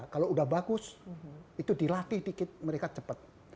kalau sudah bagus itu dilatih sedikit mereka cepat